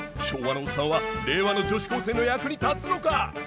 昭和のオッサンは令和の女子高生の役に立つのか！？